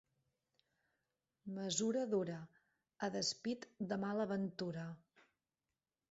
Mesura dura, a despit de mala ventura.